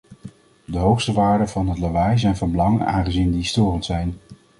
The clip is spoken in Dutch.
De hoogste waarden van het lawaai zijn van belang, aangezien die storend zijn.